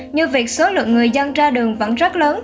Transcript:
như việc số lượng người dân ra đường vẫn rất lớn